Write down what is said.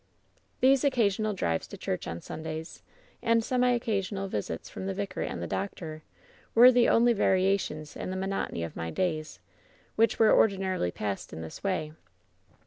"These occasional drives to church on Sundays, and semi occasional visits from the vicar and the doctor, were the only variations in the monotony of my days, which were ordinarily passed in this way.